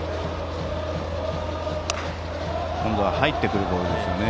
今度は入ってくるボールですよね。